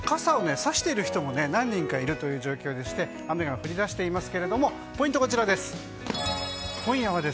そろそろ傘をさしている人も何人かいるという状況でして雨が降り出していますがポイントはこちらです。